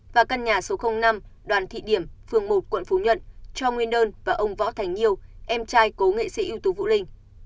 và căn nhà số năm đoàn thị điểm phường một quận phú nhuận cho nguyên đơn và ông võ thành nhiều em trai cố nghệ sĩ ưu tú vũ linh